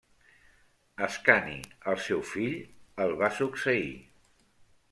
Ascani, el seu fill, el va succeir.